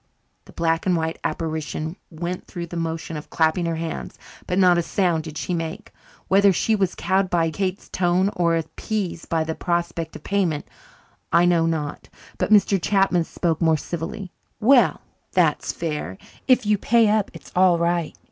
The black and white apparition went through the motion of clapping her hands, but not a sound did she make. Whether he was cowed by Kate's tone, or appeased by the prospect of payment, I know not, but Mr. Chapman spoke more civilly. "Well, that's fair. If you pay up it's all right."